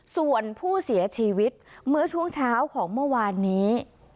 ส่วนผู้เสียชีวิตเมื่อช่วงเช้าของเมื่อวานนี้